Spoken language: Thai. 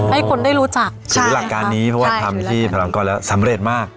ให้คนได้รู้จักถือหลักการนี้เพราะว่าทำที่พลางกรแล้วสำเร็จมาก